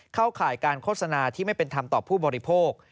ข่ายการโฆษณาที่ไม่เป็นธรรมต่อผู้บริโภค